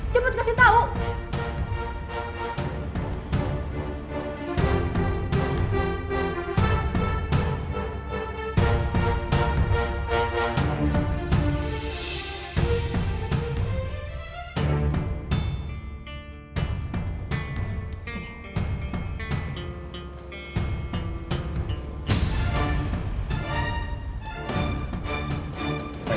cepet kasih tau